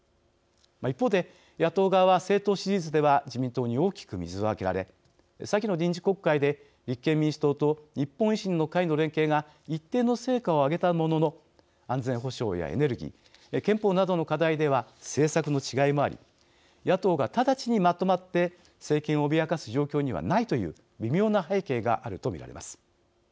一方で、野党側は政党支持率では自民党に大きく水をあけられ先の臨時国会で立憲民主党と日本維新の会の連携が一定の成果を上げたものの安全保障やエネルギー憲法などの課題では政策の違いもあり野党が直ちにまとまって政権を脅かす状況にはないという微妙な背景があると見られます。